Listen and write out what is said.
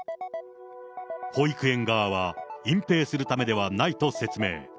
保育園側は、隠蔽するためではないと説明。